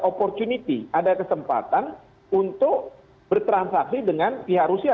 opportunity ada kesempatan untuk bertransaksi dengan pihak rusia